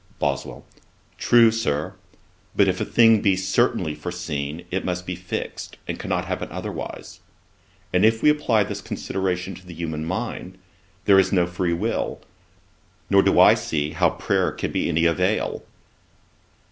BOSWELL. 'True, Sir; but if a thing be certainly foreseen, it must be fixed, and cannot happen otherwise; and if we apply this consideration to the human mind, there is no free will, nor do I see how prayer can be of any avail.'